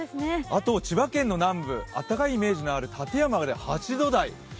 あと、千葉県の南部、あったかいイメージのある館山でも１桁台。